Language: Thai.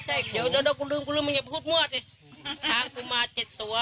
ใช่เดี๋ยวเดี๋ยวกูลืมกูลืมมึงอย่าพูดมั่วสิช้างกูมาเจ็ดตัว